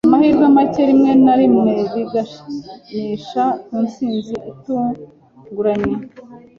Amahirwe make rimwe na rimwe biganisha ku ntsinzi itunguranye.